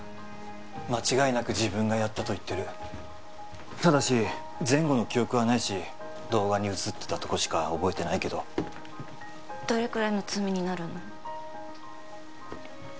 間違いなく自分がやったと言ってるただし前後の記憶はないし動画に写ってたとこしか覚えてないけどどれくらいの罪になるの？